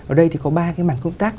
ở đây thì có ba cái mảng công tác